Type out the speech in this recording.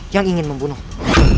yang ingin membunuhmu